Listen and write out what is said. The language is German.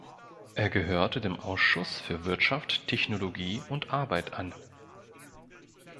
Er gehörte dem Ausschuss für Wirtschaft, Technologie und Arbeit an.